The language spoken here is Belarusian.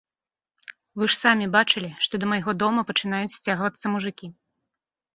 Вы ж самі бачылі, што да майго дома пачынаюць сцягвацца мужыкі.